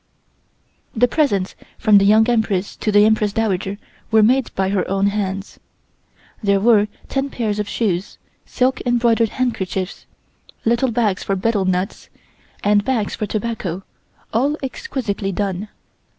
The presents from the Young Empress to the Empress Dowager were made by her own hands. There were ten pairs of shoes, silk embroidered handkerchiefs, little bags for betel nuts, and bags for tobacco, all exquisitely done.